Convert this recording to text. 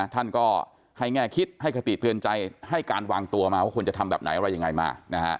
ท่านก็ให้แง่คิดให้คติเตือนใจให้การวางตัวมาว่าควรจะทำแบบไหนอะไรยังไงมา